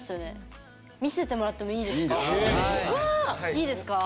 いいですか？